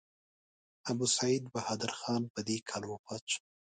ابوسعید بهادر خان په دې کال وفات شو.